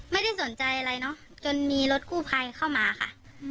ไม่ได้สนใจอะไรเนอะจนมีรถกู้ภัยเข้ามาค่ะ